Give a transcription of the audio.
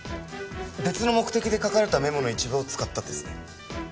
別の目的で書かれたメモの一部を使ったんですね。